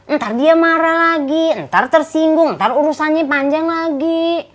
ntar dia marah lagi ntar tersinggung ntar urusannya panjang lagi